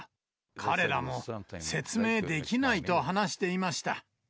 彼らも説明できないと話していました。